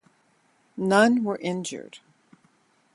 None were injured.